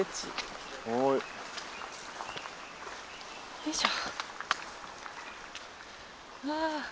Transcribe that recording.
よいしょ！